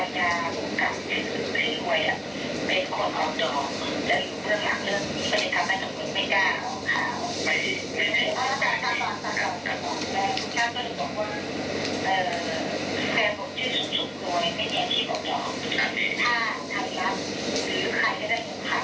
ที่น้องข่าวพูดน้องย่างเขาติดใจว่าภรรยาบุกรรมเต็มสุขภูมิไว้เป็นคนออกจอมจะอยู่เมืองหลังเรื่องนี้เพราะฉะนั้นมันไม่ได้ออกข่าว